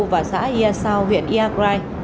và xã ia sao huyện iagrai